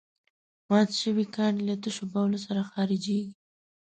مات شوي کاڼي له تشو بولو سره خارجېږي.